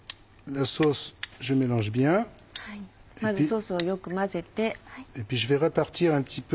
まずソースをよく混ぜて。